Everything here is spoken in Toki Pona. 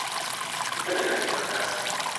tan seme la mi wan taso?